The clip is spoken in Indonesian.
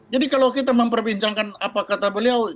jadi kalau kita memperbincangkan apa kata beliau